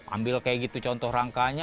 ambil kayak gitu contoh rangkanya